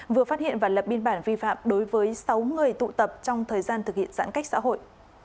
vừa phát hiện và lập biên bản vi phạm đối với sáu người tụ tập trong thời gian thực hiện giãn cách xã hội